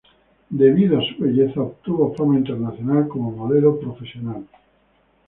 Debido a su belleza obtuvo fama internacional como modelo profesional.